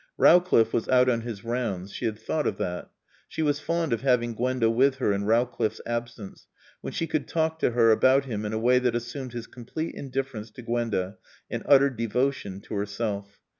Rowcliffe was out on his rounds. She had thought of that. She was fond of having Gwenda with her in Rowcliffe's absence, when she could talk to her about him in a way that assumed his complete indifference to Gwenda and utter devotion to herself.